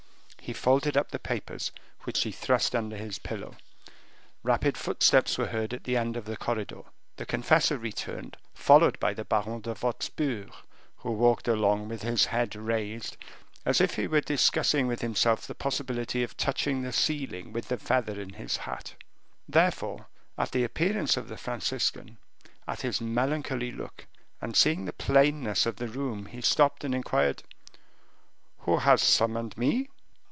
He folded up the papers, which he thrust under his pillow. Rapid footsteps were heard at the end of the corridor. The confessor returned, followed by the Baron de Wostpur, who walked along with his head raised, as if he were discussing with himself the possibility of touching the ceiling with the feather in his hat. Therefore, at the appearance of the Franciscan, at his melancholy look, and seeing the plainness of the room, he stopped, and inquired, "Who has summoned me?"